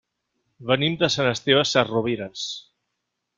Venim de Sant Esteve Sesrovires.